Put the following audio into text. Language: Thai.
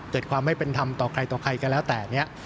เกิดความไม่เป็นธรรมต่อใครต่อใครก็แล้วแต่เนี่ย